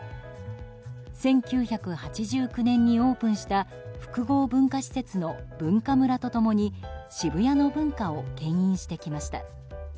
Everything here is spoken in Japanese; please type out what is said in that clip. １９８９年にオープンした複合文化施設のＢｕｎｋａｍｕｒａと共に渋谷の文化を牽引してきました。